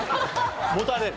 もたれる。